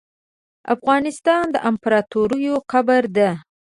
افغانستان د امپراتوریو قبر ده .